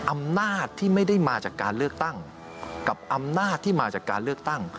อำนาจที่ไม่ได้มาจากการเลือกตั้งกับอำนาจที่มาจากการเลือกตั้ง